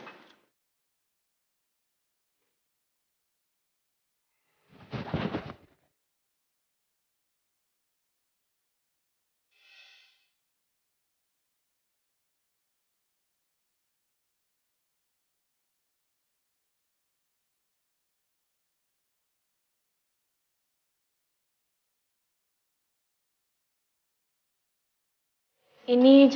mbak jen bener bener salah